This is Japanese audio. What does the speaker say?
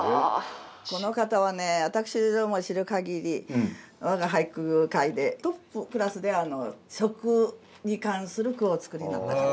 この方はね私の知る限り我が俳句界でトップクラスで食に関する句をお作りになった方。